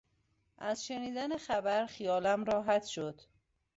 از شنیدن خبر خیالم راحت شد.